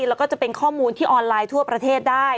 แล้วก็จะเป็นข้อมูลที่ออนไลน์ทั่วประเทศได้